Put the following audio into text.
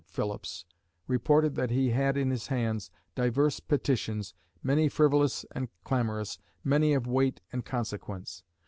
Philips, reported that he had in his hands "divers petitions, many frivolous and clamorous, many of weight and consequence."